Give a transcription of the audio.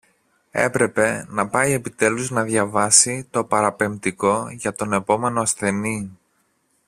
έπρεπε να πάει επιτέλους να διαβάσει το παραπεμπτικό για τον επόμενο ασθενή